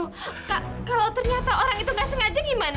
kak kalau ternyata orang itu gak sengaja gimana